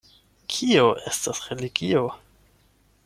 Kio estas religio?